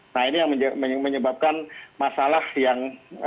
nah ini yang menyebabkan masalah yang